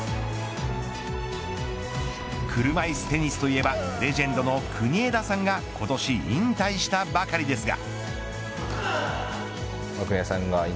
車いすテニスといえばレジェンドの国枝さんが今年、引退したばかりですが。